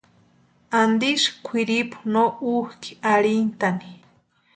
Antisï kwʼiripu no úkʼi arhintani.